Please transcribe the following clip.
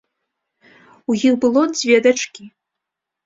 У іх было дзве дачкі.